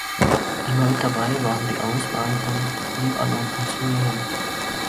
Erneut dabei waren die Auswahlen vom Libanon und Syrien.